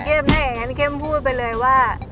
เข้มได้อย่างงั้นเข้มพูดไปเลยว่า